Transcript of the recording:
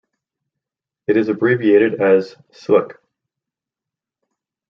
It is abbreviated as Slc.